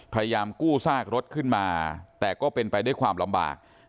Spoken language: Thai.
พยายามกู้ซากรถขึ้นมาแต่ก็เป็นไปด้วยความลำบาก